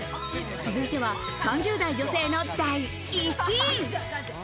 続いては３０代女性の第１位。